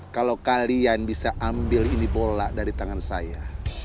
kalau kalian bisa ambil ini bola dari tangan saya